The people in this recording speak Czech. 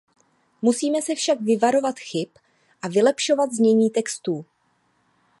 Musíme se však vyvarovat chyb a vylepšovat znění textů.